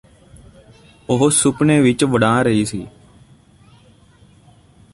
ਉਹ ਸੁਪਨੇ ਵਿੱਚ ਵੜਾਂ ਰਹੀ ਸੀ